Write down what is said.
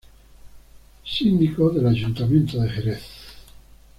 Síndico del Ayuntamiento de Jerez.